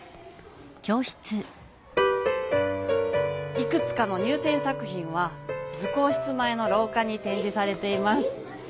いくつかの入せん作品は図工室前のろうかにてんじされています。